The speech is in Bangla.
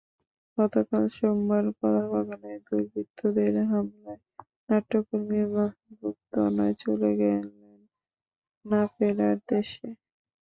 গতকাল সোমবার কলাবাগানে দুর্বৃত্তদের হামলায় নাট্যকর্মী মাহবুব তনয় চলে গেছেন না–ফেরার দেশে।